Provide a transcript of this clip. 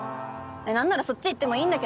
何ならそっち行ってもいいんだけど。